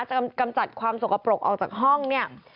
กำจัดความสกปรกออกจากห้องเนี่ย